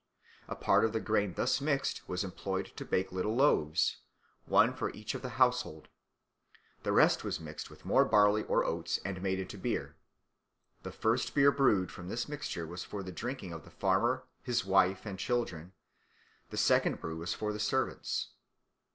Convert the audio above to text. A part of the grain thus mixed was employed to bake little loaves, one for each of the household; the rest was mixed with more barley or oats and made into beer. The first beer brewed from this mixture was for the drinking of the farmer, his wife, and children; the second brew was for the servants.